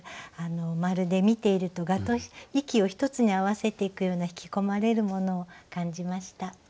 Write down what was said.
まるで見ていると蛾と息を一つに合わせていくような引き込まれるものを感じました。